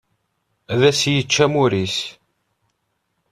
Ad as-yečč amur-is.